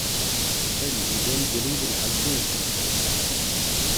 Then you don't believe in altruism.